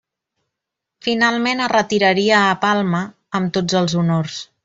Finalment es retiraria a Palma amb tots els honors.